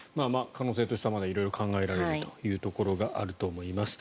可能性としてはまだ色々考えられるところがあると思います。